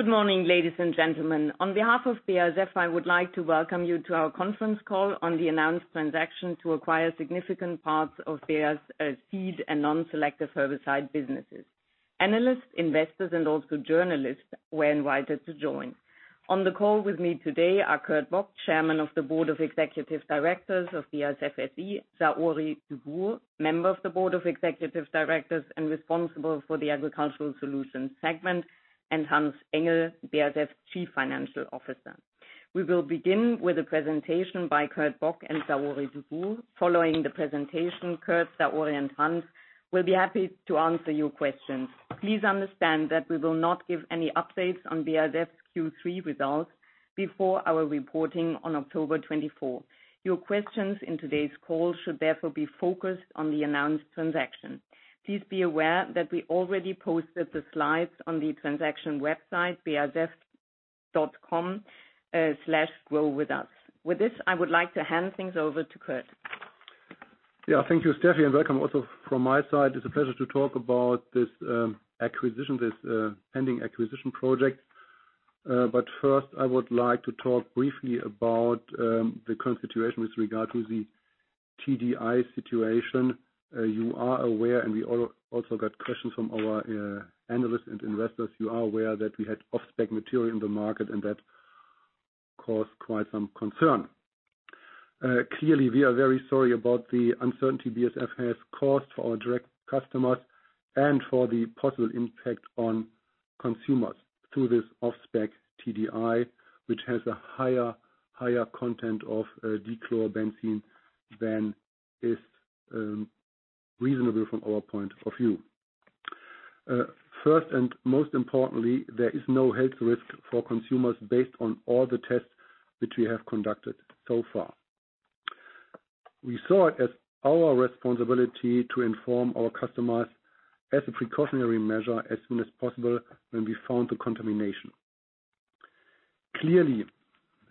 Good morning, ladies and gentlemen. On behalf of BASF, I would like to welcome you to our conference call on the announced transaction to acquire significant parts of Bayer's seed and non-selective herbicide businesses. Analysts, investors, and also journalists were invited to join. On the call with me today are Kurt Bock, Chairman of the Board of Executive Directors of BASF SE, Saori Dubourg, Member of the Board of Executive Directors and responsible for the Agricultural Solutions segment, and Hans-Ulrich Engel, BASF Chief Financial Officer. We will begin with a presentation by Kurt Bock and Saori Dubourg. Following the presentation, Kurt, Saori and Hans will be happy to answer your questions. Please understand that we will not give any updates on BASF's Q3 results before our reporting on October 24. Your questions in today's call should therefore be focused on the announced transaction. Please be aware that we already posted the slides on the transaction website, basf.com, slash grow with us. With this, I would like to hand things over to Kurt. Yeah. Thank you, Steffi, and welcome also from my side. It's a pleasure to talk about this acquisition, this pending acquisition project. First, I would like to talk briefly about the current situation with regard to the TDI situation. You are aware, and we also got questions from our analysts and investors. You are aware that we had off-spec material in the market and that caused quite some concern. Clearly, we are very sorry about the uncertainty BASF has caused for our direct customers and for the possible impact on consumers through this off-spec TDI, which has a higher content of dichlorobenzene than is reasonable from our point of view. First and most importantly, there is no health risk for consumers based on all the tests which we have conducted so far. We saw it as our responsibility to inform our customers as a precautionary measure as soon as possible when we found the contamination. Clearly,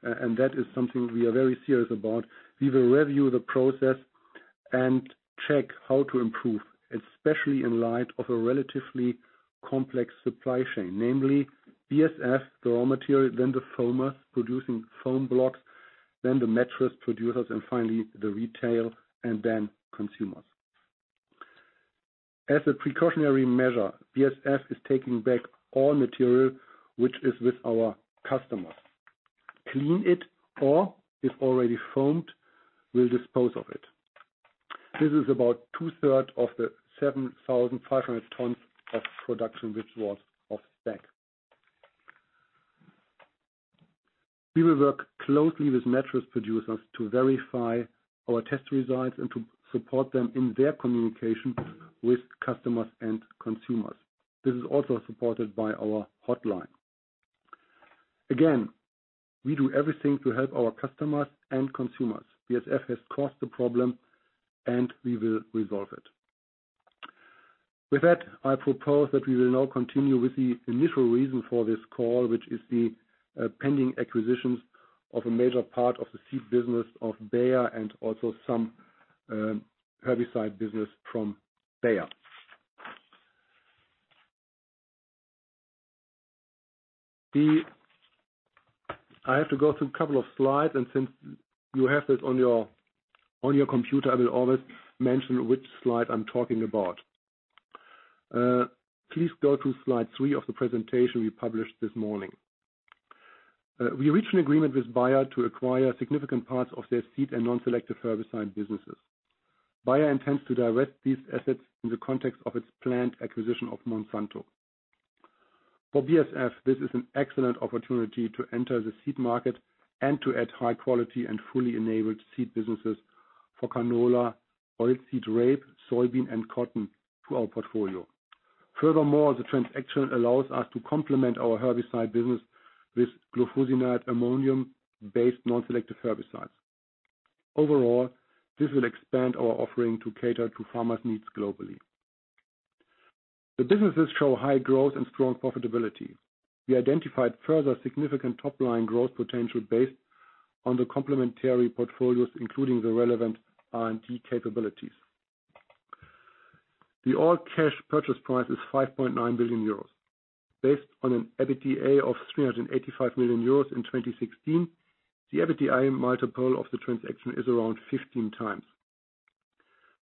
and that is something we are very serious about, we will review the process and check how to improve, especially in light of a relatively complex supply chain, namely BASF, the raw material, then the foamers producing foam blocks, then the mattress producers, and finally the retail, and then consumers. As a precautionary measure, BASF is taking back all material which is with our customers. Clean it or if already foamed, we'll dispose of it. This is about two-thirds of the 7,500 tons of production which was off-spec. We will work closely with mattress producers to verify our test results and to support them in their communication with customers and consumers. This is also supported by our hotline. Again, we do everything to help our customers and consumers. BASF has caused the problem, and we will resolve it. With that, I propose that we will now continue with the initial reason for this call, which is the pending acquisitions of a major part of the seed business of Bayer and also some herbicide business from Bayer. I have to go through a couple of slides, and since you have this on your computer, I will always mention which slide I'm talking about. Please go to slide three of the presentation we published this morning. We reached an agreement with Bayer to acquire significant parts of their seed and non-selective herbicide businesses. Bayer intends to divest these assets in the context of its planned acquisition of Monsanto. For BASF, this is an excellent opportunity to enter the seed market and to add high quality and fully enabled seed businesses for canola, oilseed rape, soybean, and cotton to our portfolio. Furthermore, the transaction allows us to complement our herbicide business with glufosinate-ammonium based non-selective herbicides. Overall, this will expand our offering to cater to farmers' needs globally. The businesses show high growth and strong profitability. We identified further significant top-line growth potential based on the complementary portfolios, including the relevant R&D capabilities. The all-cash purchase price is 5.9 billion euros. Based on an EBITDA of 385 million euros in 2016, the EBITDA multiple of the transaction is around 15x.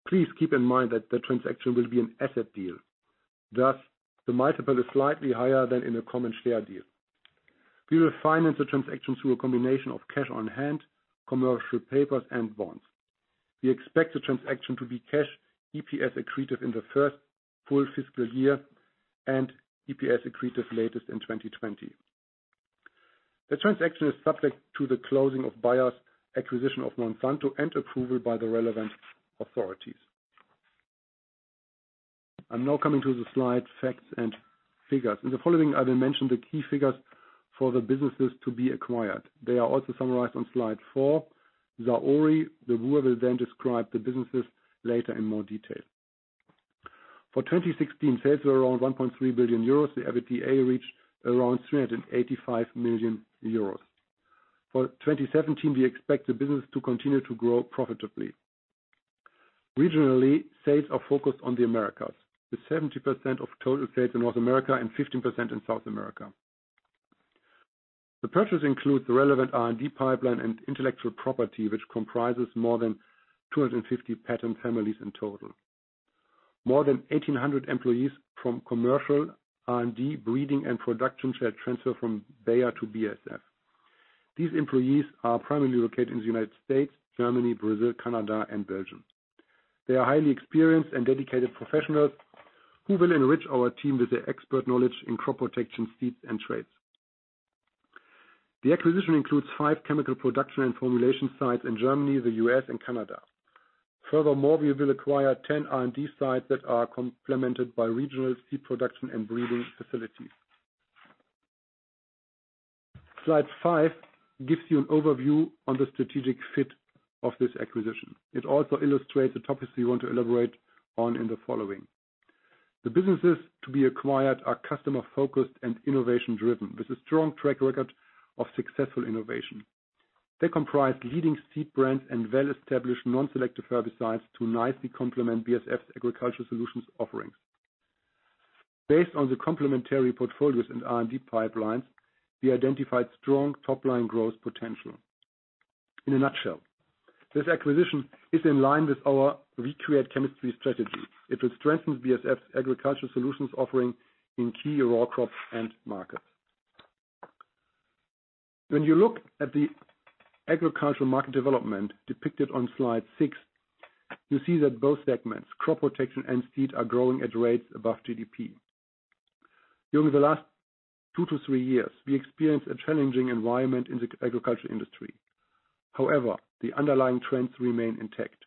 Please keep in mind that the transaction will be an asset deal. Thus, the multiple is slightly higher than in a common share deal. We will finance the transaction through a combination of cash on hand, commercial papers, and bonds. We expect the transaction to be cash EPS accretive in the first full fiscal year and EPS accretive latest in 2020. The transaction is subject to the closing of Bayer's acquisition of Monsanto and approval by the relevant authorities. I'm now coming to the slide Facts and Figures. In the following, I will mention the key figures for the businesses to be acquired. They are also summarized on slide four. Saori Dubourg will then describe the businesses later in more detail. For 2016, sales were around 1.3 billion euros. The EBITDA reached around 385 million euros. For 2017, we expect the business to continue to grow profitably. Regionally, sales are focused on the Americas, with 70% of total sales in North America and 15% in South America. The purchase includes the relevant R&D pipeline and intellectual property, which comprises more than 250 patent families in total. More than 1,800 employees from commercial, R&D, breeding and production shall transfer from Bayer to BASF. These employees are primarily located in the United States, Germany, Brazil, Canada and Belgium. They are highly experienced and dedicated professionals who will enrich our team with their expert knowledge in crop protection, seeds and traits. The acquisition includes five chemical production and formulation sites in Germany, the U.S. and Canada. Furthermore, we will acquire 10 R&D sites that are complemented by regional seed production and breeding facilities. Slide five gives you an overview on the strategic fit of this acquisition. It also illustrates the topics we want to elaborate on in the following. The businesses to be acquired are customer-focused and innovation-driven, with a strong track record of successful innovation. They comprise leading seed brands and well-established non-selective herbicides to nicely complement BASF's agricultural solutions offerings. Based on the complementary portfolios and R&D pipelines, we identified strong top-line growth potential. In a nutshell, this acquisition is in line with our create chemistry strategy. It will strengthen BASF's agricultural solutions offering in key row crops and markets. When you look at the agricultural market development depicted on slide six, you see that both segments, crop protection and seed, are growing at rates above GDP. During the last two to three years, we experienced a challenging environment in the agriculture industry. However, the underlying trends remain intact.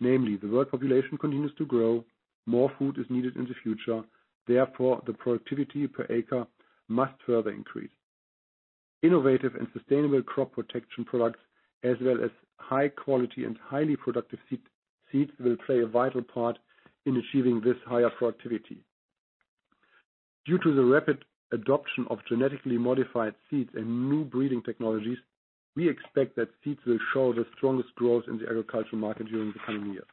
Namely, the world population continues to grow. More food is needed in the future. Therefore, the productivity per acre must further increase. Innovative and sustainable crop protection products as well as high quality and highly productive seeds will play a vital part in achieving this higher productivity. Due to the rapid adoption of genetically modified seeds and new breeding technologies, we expect that seeds will show the strongest growth in the agricultural market during the coming years.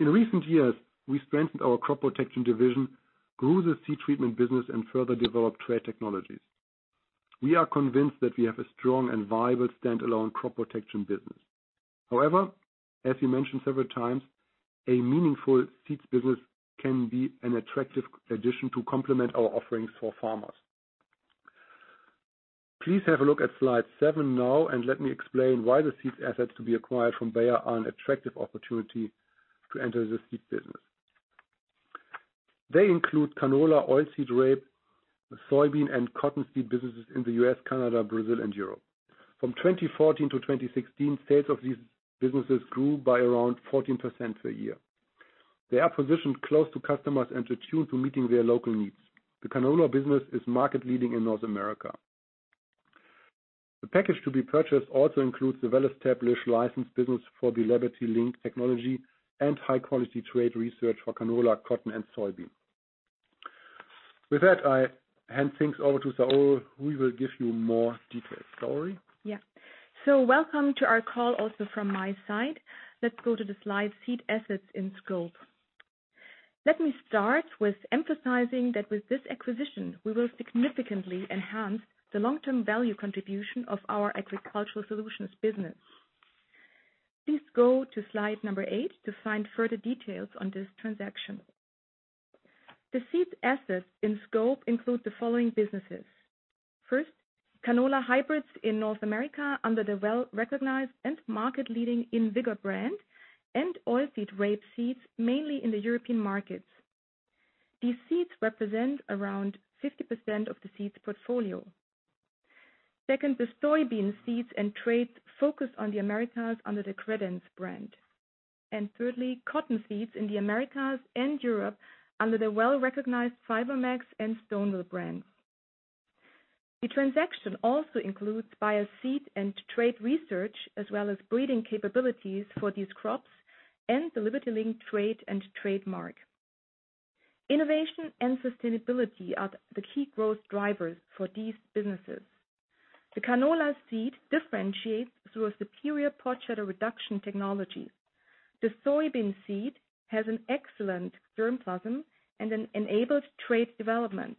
In recent years, we strengthened our crop protection division, grew the seed treatment business and further developed trait technologies. We are convinced that we have a strong and viable standalone crop protection business. However, as we mentioned several times, a meaningful seeds business can be an attractive addition to complement our offerings for farmers. Please have a look at slide seven now and let me explain why the seeds assets to be acquired from Bayer are an attractive opportunity to enter the seed business. They include canola, oilseed rape, soybean and cotton seed businesses in the U.S., Canada, Brazil and Europe. From 2014-2016, sales of these businesses grew by around 14% per year. They are positioned close to customers and attuned to meeting their local needs. The canola business is market leading in North America. The package to be purchased also includes a well-established licensed business for the LibertyLink technology and high-quality trait research for canola, cotton and soybean. With that, I hand things over to Saori, who will give you more detailed Saori. Yeah. Welcome to our call also from my side. Let's go to the slide Seed Assets in Scope. Let me start with emphasizing that with this acquisition, we will significantly enhance the long-term value contribution of our agricultural solutions business. Please go to slide number eight to find further details on this transaction. The seed assets in scope include the following businesses. First, canola hybrids in North America under the well-recognized and market-leading InVigor brand and oilseed rape seeds, mainly in the European markets. These seeds represent around 50% of the seed's portfolio. Second, the soybean seeds and traits focused on the Americas under the Credenz brand. Thirdly, cotton seeds in the Americas and Europe under the well-recognized FiberMax and Stoneville brands. The transaction also includes Bayer seed and trait research, as well as breeding capabilities for these crops and the LibertyLink trait and trademark. Innovation and sustainability are the key growth drivers for these businesses. The canola seed differentiates through a superior pod shatter reduction technology. The soybean seed has an excellent germplasm and an enabled trait development.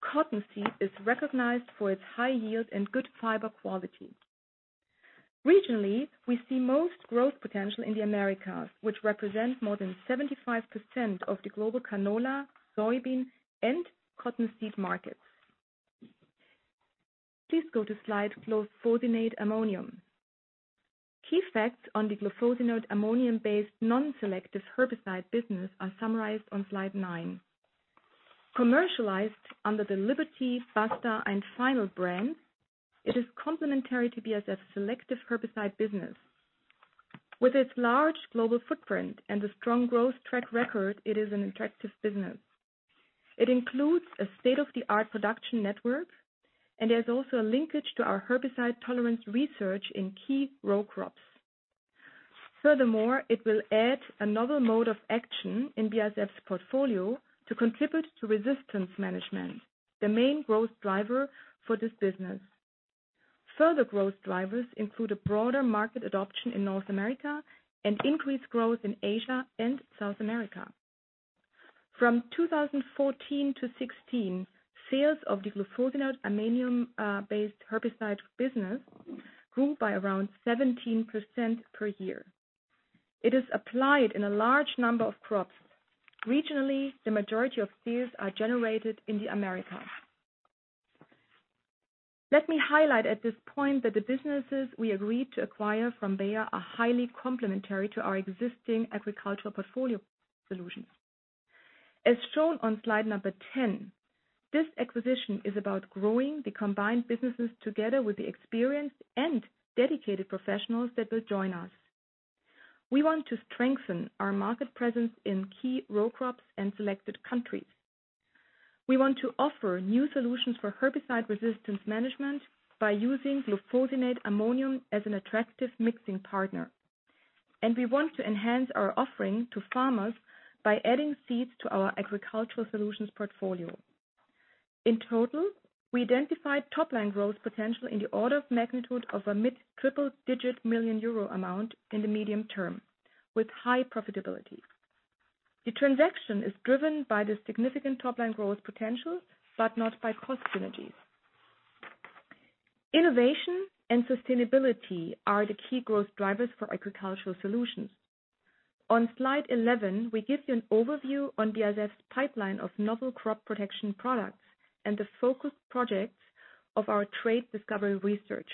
Cotton seed is recognized for its high yield and good fiber quality. Regionally, we see most growth potential in the Americas, which represents more than 75% of the global canola, soybean and cotton seed markets. Please go to slide glufosinate-ammonium. Key facts on the glufosinate-ammonium-based non-selective herbicide business are summarized on slide nine. Commercialized under the Liberty, Basta and Finale brand, it is complementary to BASF selective herbicide business. With its large global footprint and a strong growth track record, it is an attractive business. It includes a state-of-the-art production network and there's also a linkage to our herbicide tolerance research in key row crops. Furthermore, it will add another mode of action in BASF's portfolio to contribute to resistance management, the main growth driver for this business. Further growth drivers include a broader market adoption in North America and increased growth in Asia and South America. From 2014-2016, sales of the glufosinate-ammonium-based herbicide business grew by around 17% per year. It is applied in a large number of crops. Regionally, the majority of sales are generated in the Americas. Let me highlight at this point that the businesses we agreed to acquire from Bayer are highly complementary to our existing agricultural portfolio solutions. As shown on slide number 10, this acquisition is about growing the combined businesses together with the experienced and dedicated professionals that will join us. We want to strengthen our market presence in key row crops and selected countries. We want to offer new solutions for herbicide resistance management by using glufosinate-ammonium as an attractive mixing partner. We want to enhance our offering to farmers by adding seeds to our Agricultural Solutions portfolio. In total, we identified top-line growth potential in the order of magnitude of a mid-triple-digit million-euro amount in the medium term with high profitability. The transaction is driven by the significant top-line growth potential, but not by cost synergies. Innovation and sustainability are the key growth drivers for Agricultural Solutions. On slide 11, we give you an overview on BASF's pipeline of novel crop protection products and the focus projects of our trait discovery research.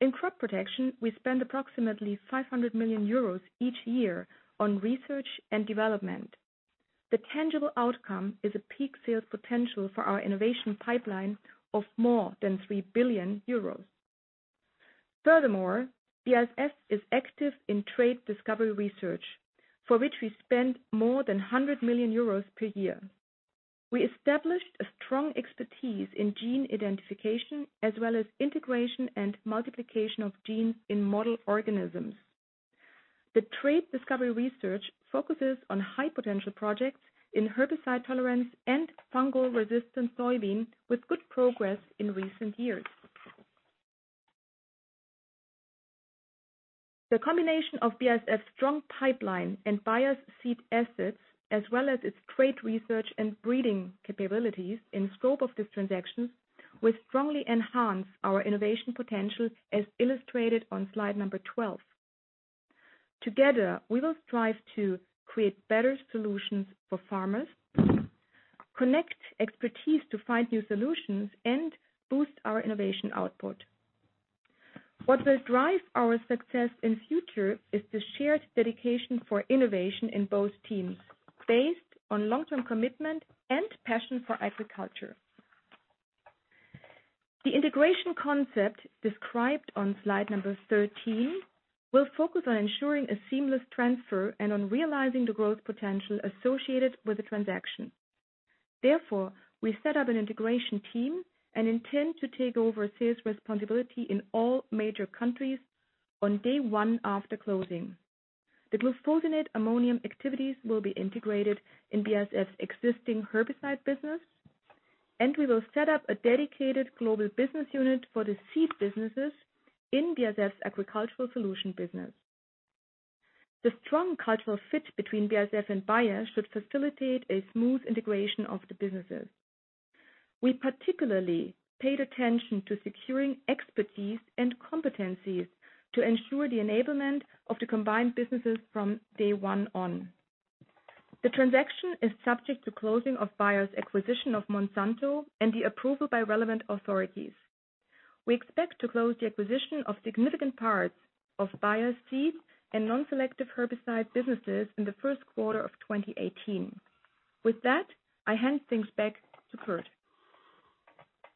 In crop protection, we spend approximately 500 million euros each year on research and development. The tangible outcome is a peak sales potential for our innovation pipeline of more than 3 billion euros. Furthermore, BASF is active in trait discovery research, for which we spend more than 100 million euros per year. We established a strong expertise in gene identification as well as integration and multiplication of genes in model organisms. The trait discovery research focuses on high-potential projects in herbicide tolerance and fungal-resistant soybean with good progress in recent years. The combination of BASF's strong pipeline and Bayer's seed assets, as well as its trait research and breeding capabilities in scope of this transaction, will strongly enhance our innovation potential, as illustrated on slide number 12. Together, we will strive to create better solutions for farmers, connect expertise to find new solutions and boost our innovation output. What will drive our success in future is the shared dedication for innovation in both teams based on long-term commitment and passion for agriculture. The integration concept described on slide number 13 will focus on ensuring a seamless transfer and on realizing the growth potential associated with the transaction. Therefore, we set up an integration team and intend to take over sales responsibility in all major countries on day one after closing. The glufosinate-ammonium activities will be integrated in BASF's existing herbicide business, and we will set up a dedicated global business unit for the seed businesses in BASF's agricultural solution business. The strong cultural fit between BASF and Bayer should facilitate a smooth integration of the businesses. We particularly paid attention to securing expertise and competencies to ensure the enablement of the combined businesses from day one on. The transaction is subject to closing of Bayer's acquisition of Monsanto and the approval by relevant authorities. We expect to close the acquisition of significant parts of Bayer's seed and non-selective herbicide businesses in the first quarter of 2018. With that, I hand things back to Kurt.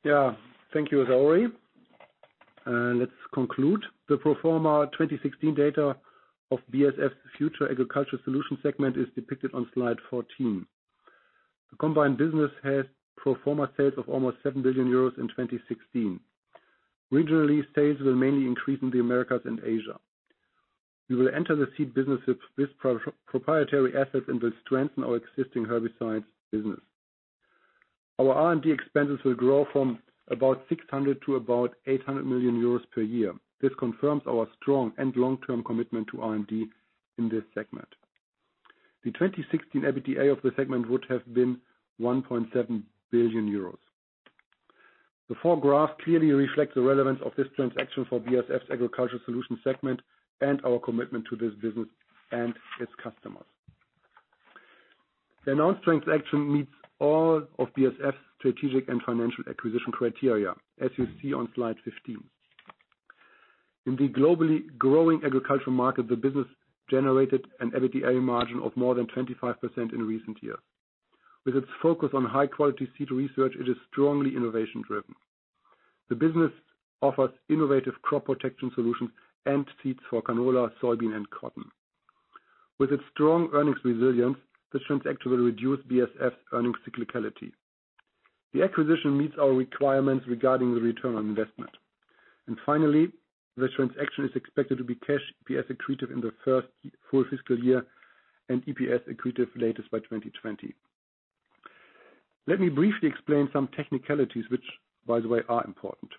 Yeah. Thank you, Saori. Let's conclude. The pro forma 2016 data of BASF's future agriculture solution segment is depicted on slide 14. The combined business has pro forma sales of almost 7 billion euros in 2016. Regionally, sales will mainly increase in the Americas and Asia. We will enter the seed business with proprietary assets and will strengthen our existing herbicides business. Our R&D expenses will grow from about 600 million to about 800 million euros per year. This confirms our strong and long-term commitment to R&D in this segment. The 2016 EBITDA of the segment would have been 1.7 billion euros. The four graphs clearly reflect the relevance of this transaction for BASF's agricultural solution segment and our commitment to this business and its customers. The announced transaction meets all of BASF's strategic and financial acquisition criteria, as you see on slide 15. In the globally growing agricultural market, the business generated an EBITDA margin of more than 25% in recent years. With its focus on high-quality seed research, it is strongly innovation-driven. The business offers innovative crop protection solutions and seeds for canola, soybean, and cotton. With its strong earnings resilience, the transaction will reduce BASF earnings cyclicality. The acquisition meets our requirements regarding the return on investment. Finally, the transaction is expected to be cash EPS accretive in the first full fiscal year and EPS accretive latest by 2020. Let me briefly explain some technicalities which, by the way, are important.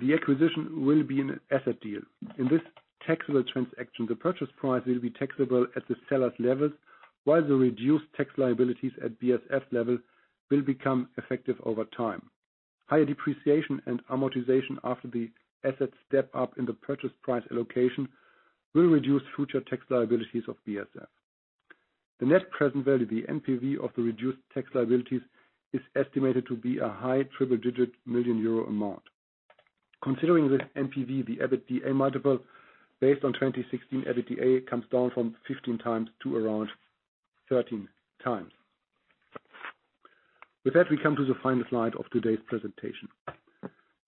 The acquisition will be an asset deal. In this taxable transaction, the purchase price will be taxable at the seller's levels, while the reduced tax liabilities at BASF level will become effective over time. Higher depreciation and amortization after the asset step up in the purchase price allocation will reduce future tax liabilities of BASF. The net present value, the NPV of the reduced tax liabilities is estimated to be a high triple-digit million-euro amount. Considering the NPV, the EBITDA multiple based on 2016 EBITDA comes down from 15x to around 13x. With that, we come to the final slide of today's presentation.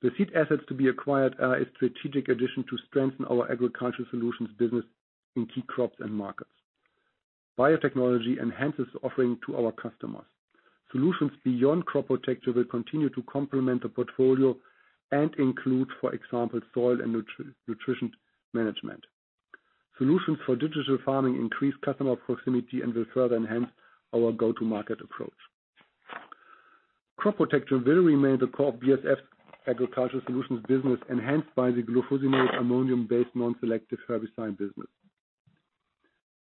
The seed assets to be acquired are a strategic addition to strengthen our agricultural solutions business in key crops and markets. Biotechnology enhances offering to our customers. Solutions beyond crop protection will continue to complement the portfolio and include, for example, soil and nutrition management. Solutions for digital farming increase customer proximity and will further enhance our go-to market approach. Crop protection will remain the core BASF agricultural solutions business, enhanced by the glufosinate-ammonium-based non-selective herbicide business.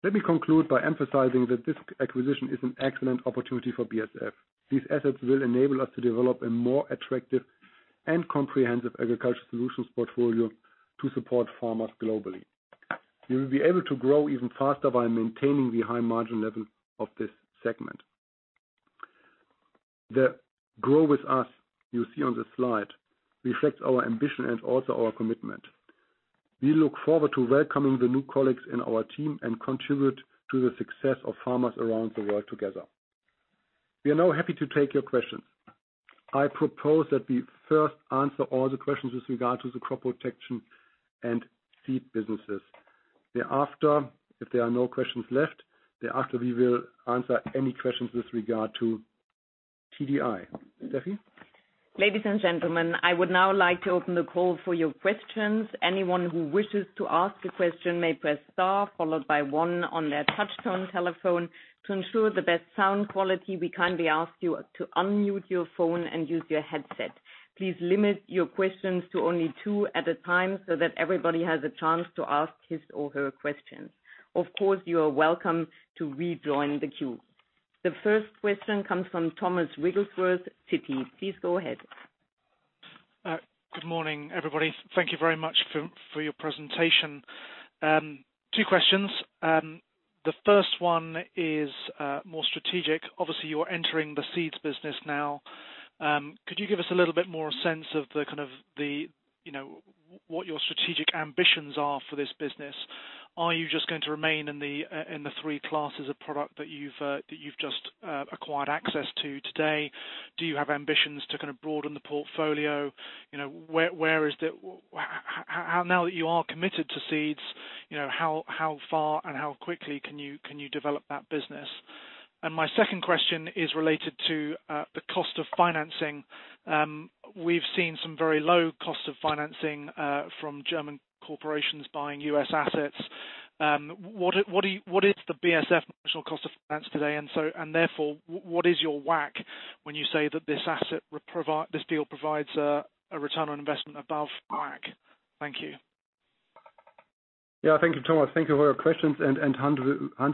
Let me conclude by emphasizing that this acquisition is an excellent opportunity for BASF. These assets will enable us to develop a more attractive and comprehensive agricultural solutions portfolio to support farmers globally. We will be able to grow even faster by maintaining the high margin level of this segment. The grow with us you see on the slide reflects our ambition and also our commitment. We look forward to welcoming the new colleagues in our team and contribute to the success of farmers around the world together. We are now happy to take your questions. I propose that we first answer all the questions with regard to the crop protection and seed businesses. Thereafter, if there are no questions left, thereafter we will answer any questions with regard to TDI. Steffi? Ladies and gentlemen, I would now like to open the call for your questions. Anyone who wishes to ask a question may press star followed by one on their touch-tone telephone. To ensure the best sound quality, we kindly ask you to unmute your phone and use your headset. Please limit your questions to only two at a time so that everybody has a chance to ask his or her questions. Of course, you are welcome to rejoin the queue. The first question comes from Thomas Wrigglesworth, Citi. Please go ahead. Good morning, everybody. Thank you very much for your presentation. Two questions. The first one is more strategic. Obviously, you are entering the seeds business now. Could you give us a little bit more sense of the kind of, you know, what your strategic ambitions are for this business? Are you just going to remain in the three classes of product that you've just acquired access to today? Do you have ambitions to kind of broaden the portfolio? You know, how now that you are committed to seeds, you know, how far and how quickly can you develop that business? And my second question is related to the cost of financing. We've seen some very low cost of financing from German corporations buying U.S. assets. What is the BASF marginal cost of finance today? What is your WACC when you say that this deal provides a return on investment above WACC? Thank you. Yeah, thank you, Thomas. Thank you for your questions. Hans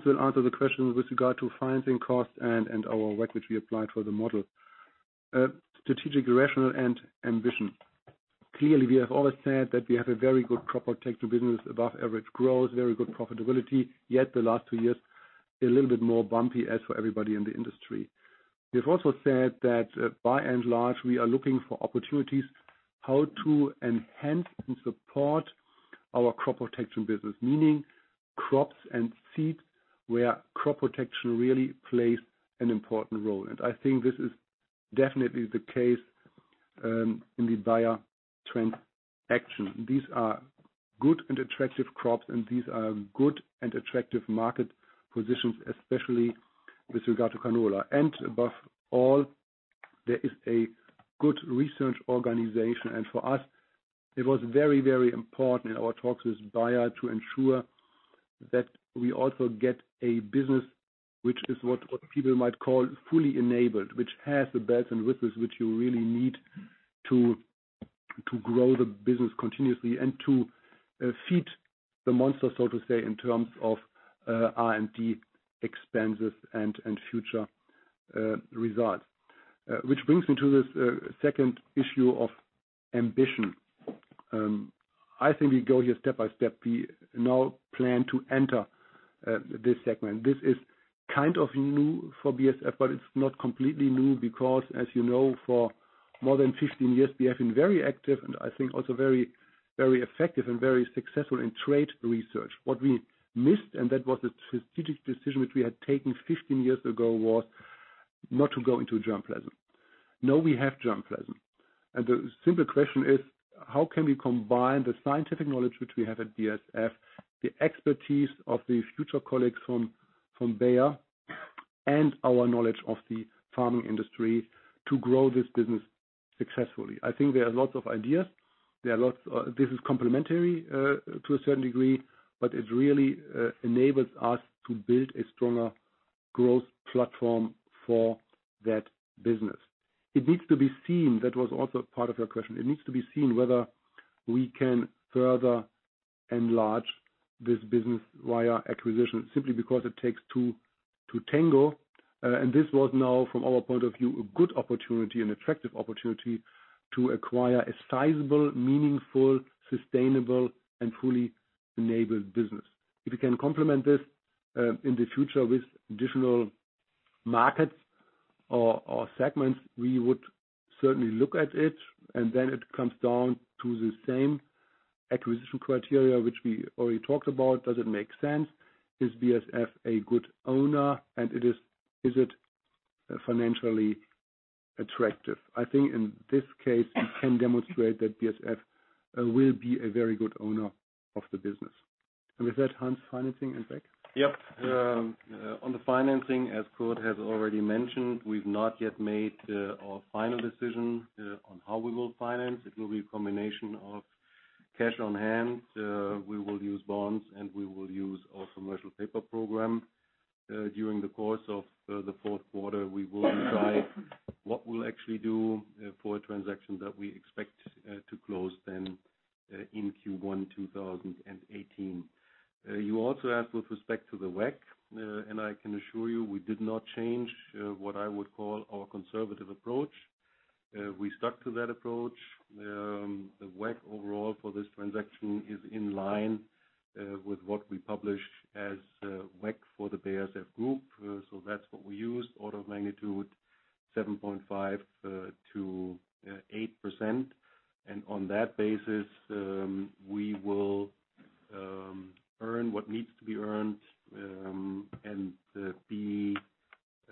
will answer the question with regard to financing costs and our WACC, which we applied for the model. Strategic rationale and ambition. Clearly, we have always said that we have a very good crop protection business, above average growth, very good profitability. Yet the last two years, a little bit more bumpy as for everybody in the industry. We have also said that by and large, we are looking for opportunities how to enhance and support our crop protection business, meaning crops and seeds, where crop protection really plays an important role. I think this is definitely the case in the Bayer transaction. These are good and attractive crops, and these are good and attractive market positions, especially with regard to canola. Above all, there is a good research organization. For us, it was very, very important in our talks with Bayer to ensure that we also get a business which is what people might call fully enabled, which has the breadth and width which you really need to grow the business continuously and to feed the monster, so to say, in terms of R&D expenses and future results. Which brings me to this second issue of ambition. I think we go here step by step. We now plan to enter this segment. This is kind of new for BASF, but it's not completely new because, as you know, for more than 15 years, we have been very active and I think also very, very effective and very successful in trait research. What we missed, and that was a strategic decision which we had taken 15 years ago, was not to go into germplasm. Now we have germplasm. The simple question is, how can we combine the scientific knowledge which we have at BASF, the expertise of the future colleagues from Bayer, and our knowledge of the farming industry to grow this business successfully? I think there are lots of ideas. This is complementary to a certain degree, but it really enables us to build a stronger growth platform for that business. It needs to be seen, that was also part of your question. It needs to be seen whether we can further enlarge this business via acquisition simply because it takes two to tango. This was now from our point of view, a good opportunity and effective opportunity to acquire a sizable, meaningful, sustainable, and fully enabled business. If you can complement this, in the future with additional markets or segments, we would certainly look at it, and then it comes down to the same acquisition criteria, which we already talked about. Does it make sense? Is BASF a good owner, and is it financially attractive? I think in this case, we can demonstrate that BASF will be a very good owner of the business. With that, Hans, financing and back. On the financing, as Kurt has already mentioned, we've not yet made our final decision on how we will finance. It will be a combination of cash on hand. We will use bonds, and we will use our commercial paper program. During the course of the fourth quarter, we will decide what we'll actually do for a transaction that we expect to close then in Q1 2018. You also asked with respect to the WACC, and I can assure you we did not change what I would call our conservative approach. We stuck to that approach. The WACC overall for this transaction is in line with what we publish as WACC for the BASF group. That's what we used, order of magnitude 7.5%-8%. On that basis, we will earn what needs to be earned and be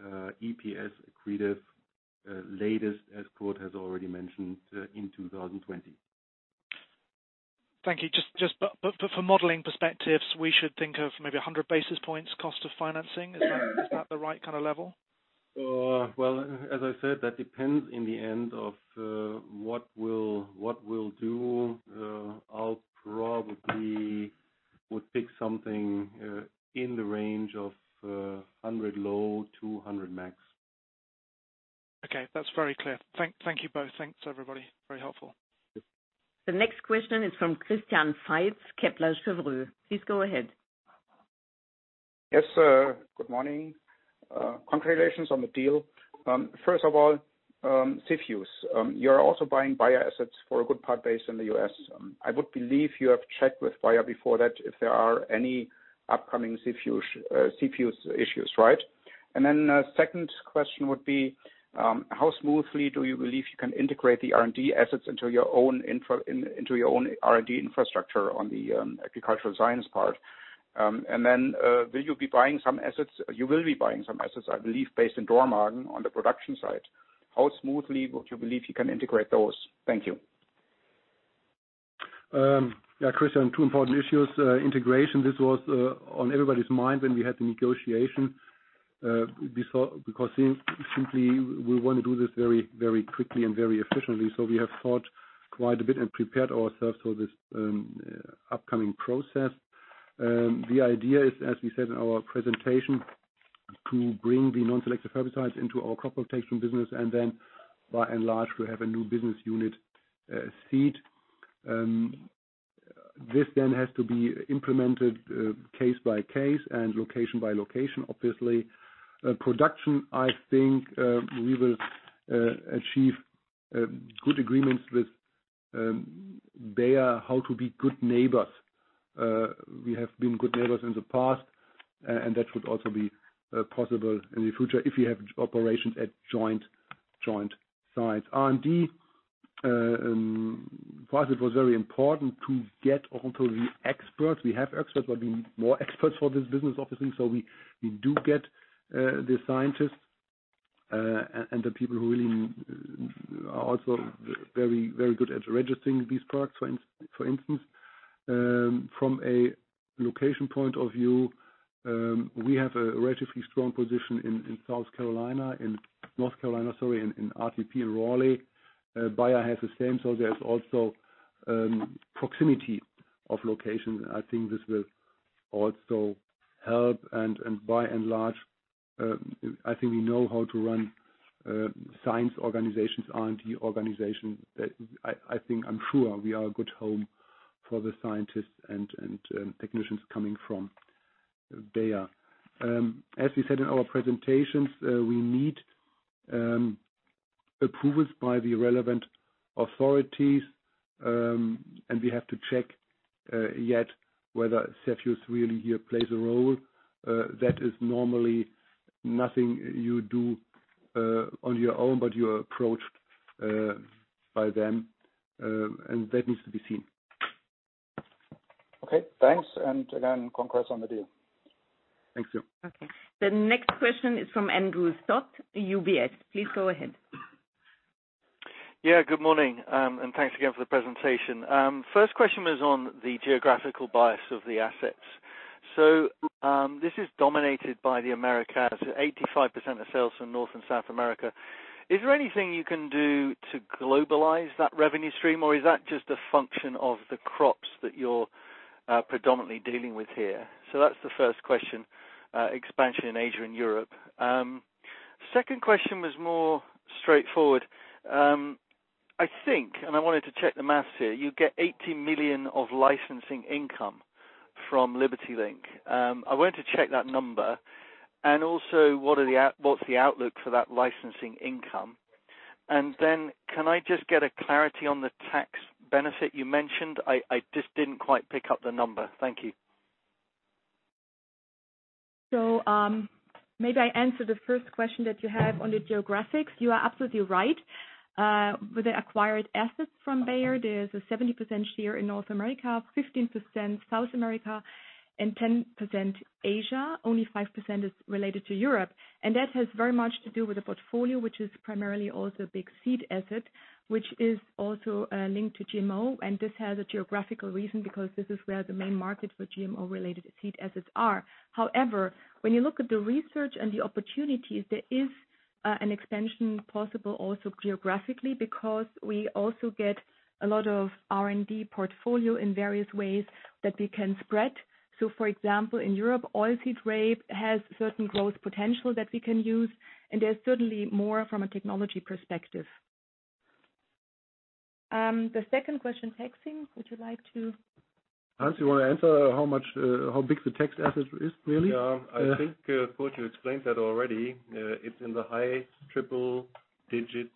EPS-accretive at the latest, as Kurt has already mentioned, in 2020. Thank you. For modeling perspectives, we should think of maybe 100 basis points cost of financing. Is that the right kind of level? Well, as I said, that depends in the end of what we'll do. I'll probably would pick something in the range of 100 low, 200 max. Okay. That's very clear. Thank you both. Thanks, everybody. Very helpful. Yep. The next question is from Christian Faitz, Kepler Cheuvreux. Please go ahead. Yes, sir. Good morning. Congratulations on the deal. First of all, CFIUS. You're also buying Bayer assets for a good part based in the U.S. I would believe you have checked with Bayer before that if there are any upcoming CFIUS issues, right? Second question would be, how smoothly do you believe you can integrate the R&D assets into your own R&D infrastructure on the agricultural science part? Will you be buying some assets? You will be buying some assets, I believe, based in Dormagen on the production side. How smoothly would you believe you can integrate those? Thank you. Yeah, Christian, two important issues. Integration, this was on everybody's mind when we had the negotiation because simply we want to do this very, very quickly and very efficiently. We have thought quite a bit and prepared ourselves for this upcoming process. The idea is, as we said in our presentation, to bring the non-selective herbicides into our crop protection business and then by and large, we have a new business unit, seed. This then has to be implemented case by case and location by location, obviously. Production, I think, we will achieve good agreements with Bayer, how to be good neighbors. We have been good neighbors in the past, and that would also be possible in the future if you have operations at joint sites. R&D for us, it was very important to get onto the experts. We have experts, but we need more experts for this business offering. We do get the scientists and the people who really are also very good at registering these products, for instance. From a location point of view, we have a relatively strong position in North Carolina, sorry, in RTP, Raleigh. Bayer has the same, so there's also proximity of locations. I think this will also help. By and large, I think we know how to run science organizations, R&D organizations. That I think I'm sure we are a good home for the scientists and technicians coming from Bayer. As we said in our presentations, we need approvals by the relevant authorities, and we have to check yet whether CFIUS really here plays a role. That is normally nothing you do on your own, but you are approached by them, and that needs to be seen. Okay, thanks. Again, congrats on the deal. Thanks. Okay. The next question is from Andrew Stott, UBS. Please go ahead. Yeah, good morning. Thanks again for the presentation. First question was on the geographical bias of the assets. This is dominated by the Americas, so 85% of sales from North and South America. Is there anything you can do to globalize that revenue stream, or is that just a function of the crops that you're predominantly dealing with here? That's the first question, expansion in Asia and Europe. Second question was more straightforward. I think, and I wanted to check the math here, you get 80 million of licensing income from LibertyLink. I want to check that number and also what's the outlook for that licensing income? And then can I just get a clarity on the tax benefit you mentioned? I just didn't quite pick up the number. Thank you. Maybe I answer the first question that you have on the geographics. You are absolutely right. With the acquired assets from Bayer, there's a 70% share in North America, 15% South America, and 10% Asia. Only 5% is related to Europe. That has very much to do with the portfolio, which is primarily also big seed asset, which is also linked to GMO. This has a geographical reason because this is where the main market for GMO-related seed assets are. However, when you look at the research and the opportunities, there is an expansion possible also geographically, because we also get a lot of R&D portfolio in various ways that we can spread. For example, in Europe, oilseed rape has certain growth potential that we can use, and there's certainly more from a technology perspective. The second question, taxing, would you like to? Hans, you wanna answer how much, how big the tax asset is, really? Yeah. I think Kurt Bock explained that already. It's in the high triple-digit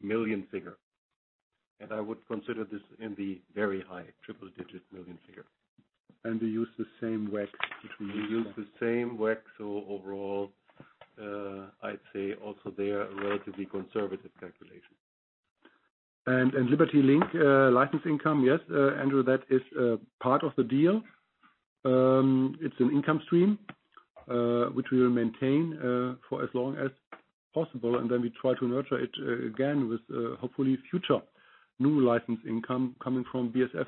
million figure. I would consider this in the very high triple digit million figure. We use the same WACC. We use the same WACC, so overall, I'd say also they are relatively conservative calculations. LibertyLink license income, yes, Andrew, that is part of the deal. It's an income stream which we will maintain for as long as possible, and then we try to nurture it again with hopefully future new license income coming from BASF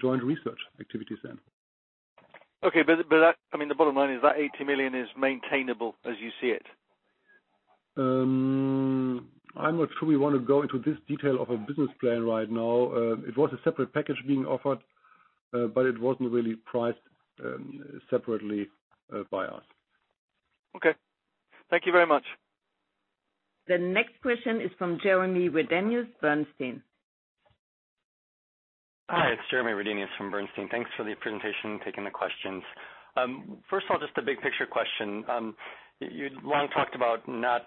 joint research activities then. I mean, the bottom line is that 80 million is maintainable as you see it. I'm not sure we wanna go into this detail of a business plan right now. It was a separate package being offered, but it wasn't really priced separately by us. Okay. Thank you very much. The next question is from Jeremy Redenius, Bernstein. Hi, it's Jeremy Redenius from Bernstein. Thanks for the presentation and taking the questions. First of all, just a big picture question. You long talked about not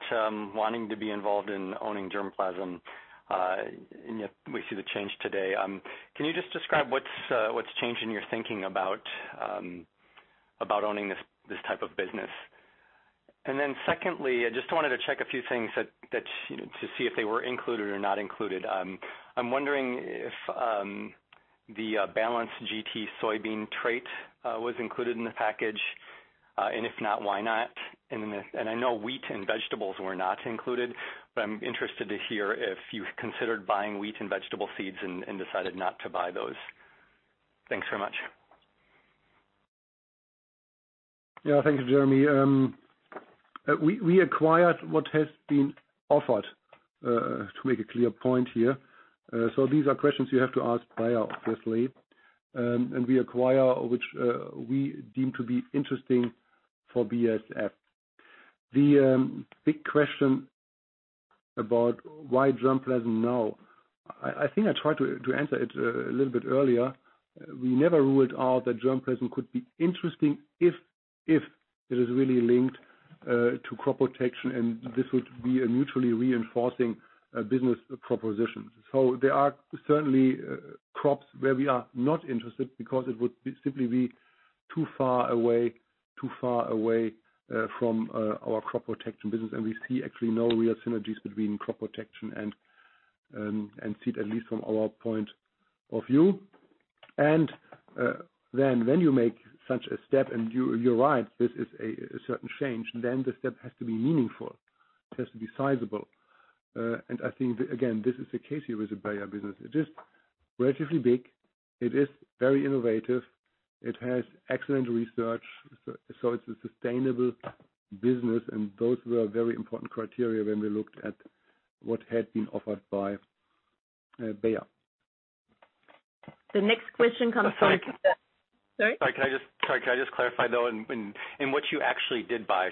wanting to be involved in owning germplasm, and yet we see the change today. Can you just describe what's changed in your thinking about owning this type of business? Then secondly, I just wanted to check a few things to see if they were included or not included. I'm wondering if the Balance GT soybean trait was included in the package, and if not, why not? I know wheat and vegetables were not included, but I'm interested to hear if you considered buying wheat and vegetable seeds and decided not to buy those. Thanks so much. Yeah. Thank you, Jeremy. We acquired what has been offered to make a clear point here. These are questions you have to ask Bayer, obviously. We acquire which we deem to be interesting for BASF. The big question about why germplasm now, I think I tried to answer it a little bit earlier. We never ruled out that germplasm could be interesting if it is really linked to crop protection, and this would be a mutually reinforcing business proposition. There are certainly crops where we are not interested because it would be simply too far away from our crop protection business. We see actually no real synergies between crop protection and seed, at least from our point of view. When you make such a step, you're right, this is a certain change, then the step has to be meaningful. It has to be sizable. I think, again, this is the case here with the Bayer business. It is relatively big, it is very innovative, it has excellent research, so it's a sustainable business, and those were very important criteria when we looked at what had been offered by Bayer. The next question comes from. Sorry? Sorry, can I just clarify, though, in what you actually did buy?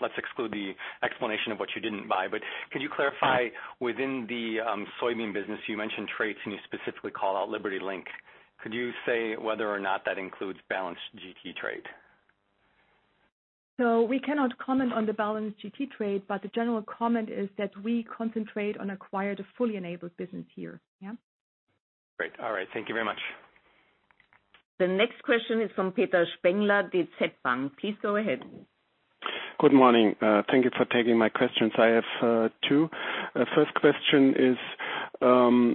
Let's exclude the explanation of what you didn't buy. Could you clarify within the soybean business, you mentioned traits, and you specifically call out LibertyLink. Could you say whether or not that includes Balance GT trait? We cannot comment on the Balance GT trait, but the general comment is that we concentrate on acquire the fully enabled business here. Yeah. Great. All right. Thank you very much. The next question is from Peter Spengler, DZ Bank. Please go ahead. Good morning. Thank you for taking my questions. I have two. First question is on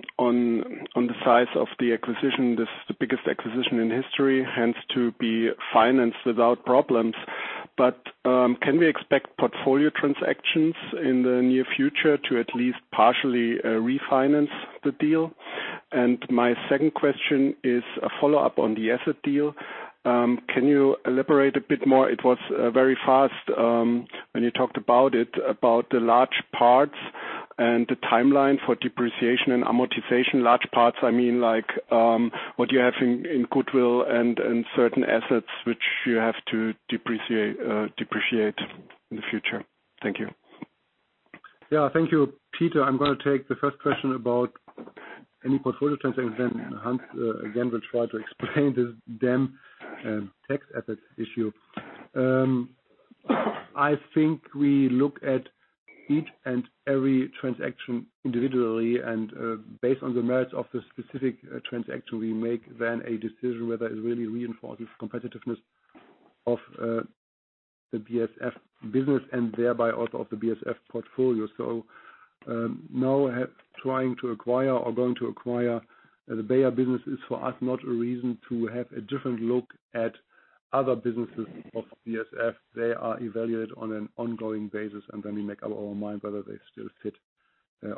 the size of the acquisition. This is the biggest acquisition in history, hence to be financed without problems. Can we expect portfolio transactions in the near future to at least partially refinance the deal? My second question is a follow-up on the asset deal. Can you elaborate a bit more? It was very fast when you talked about it, about the large parts and the timeline for depreciation and amortization. Large parts, I mean, like, what you have in goodwill and certain assets which you have to depreciate in the future. Thank you. Yeah, thank you, Peter. I'm gonna take the first question about any portfolio trends, and then Hans, again, will try to explain the damn tax asset issue. I think we look at each and every transaction individually, and based on the merits of the specific transaction, we make then a decision whether it really reinforces competitiveness of the BASF business and thereby also of the BASF portfolio. Now trying to acquire or going to acquire the Bayer business is for us not a reason to have a different look at other businesses of BASF. They are evaluated on an ongoing basis, and then we make up our own mind whether they still fit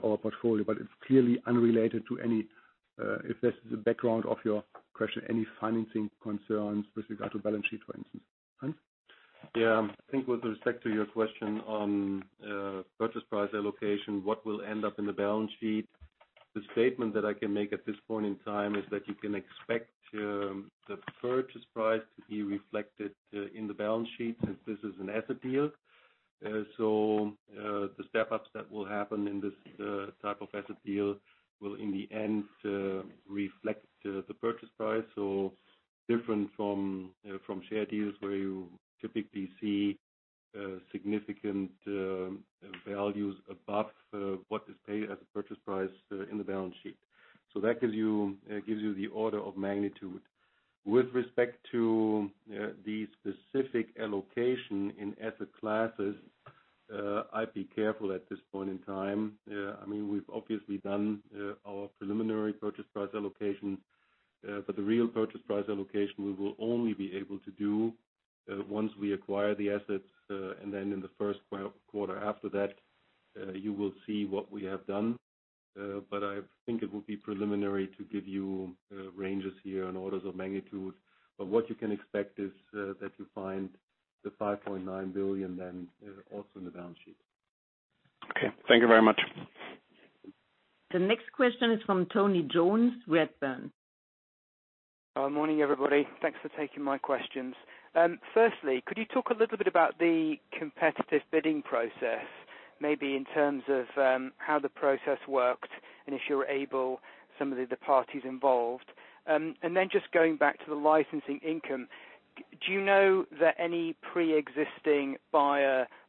our portfolio. It's clearly unrelated to any, if this is the background of your question, any financing concerns with regard to balance sheet, for instance. Hans? Yeah. I think with respect to your question on purchase price allocation, what will end up in the balance sheet, the statement that I can make at this point in time is that you can expect the purchase price to be reflected in the balance sheet since this is an asset deal. So the step-ups that will happen in this type of asset deal will in the end reflect the purchase price. So different from share deals where you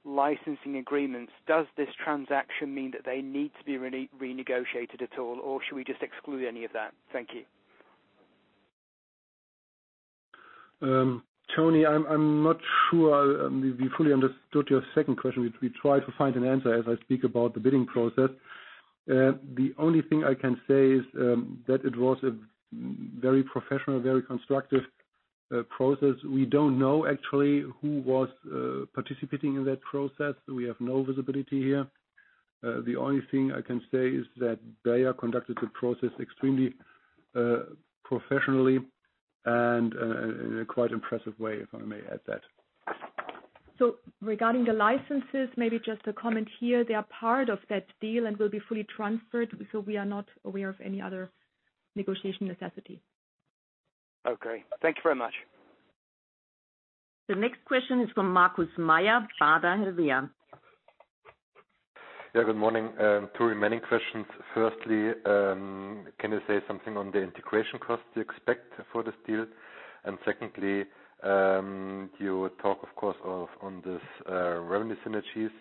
licensing agreements, does this transaction mean that they need to be renegotiated at all, or should we just exclude any of that? Thank you. Tony, I'm not sure we fully understood your second question. We try to find an answer as I speak about the bidding process. The only thing I can say is that it was a very professional, very constructive process. We don't know actually who was participating in that process. We have no visibility here. The only thing I can say is that Bayer conducted the process extremely professionally and in a quite impressive way, if I may add that. Regarding the licenses, maybe just a comment here, they are part of that deal and will be fully transferred, so we are not aware of any other negotiation necessity. Okay. Thank you very much. The next question is from Markus Mayer, Baader Bank. Yeah, good morning. Two remaining questions. Firstly, can you say something on the integration costs you expect for this deal? Secondly, you talk, of course, on this revenue synergies.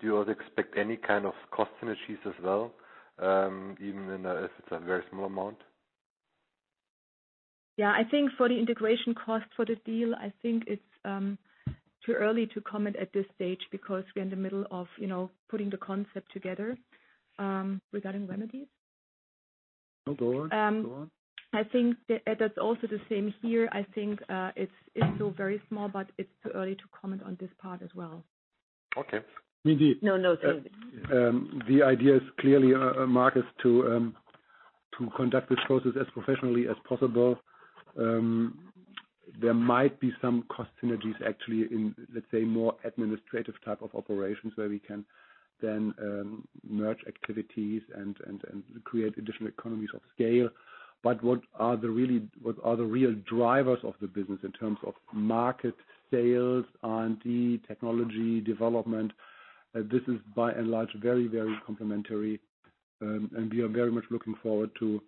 Do you also expect any kind of cost synergies as well, even if it's a very small amount? Yeah. I think for the integration cost for the deal, it's too early to comment at this stage because we're in the middle of, you know, putting the concept together, regarding remedies. No, go on. Go on. I think that's also the same here. I think, it's still very small, but it's too early to comment on this part as well. Okay. Indeed. No, no. The idea is clearly, Markus, to conduct this process as professionally as possible. There might be some cost synergies actually in, let's say, more administrative type of operations where we can then merge activities and create additional economies of scale. What are the real drivers of the business in terms of market sales, R&D, technology development? This is by and large very complementary, and we are very much looking forward to